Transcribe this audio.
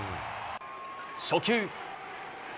初球。